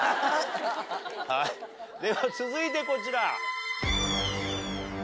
では続いてこちら。